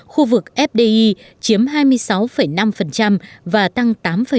khu vực fdi chiếm hai mươi sáu năm và tăng một mươi sáu chín